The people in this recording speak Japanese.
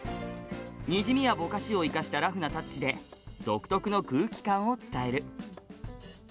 にじみや、ぼかしを生かしたラフなタッチで独特の空気感を伝える。